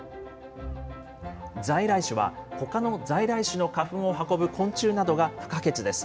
在来種はほかの在来種の花粉を運ぶ昆虫などが不可欠です。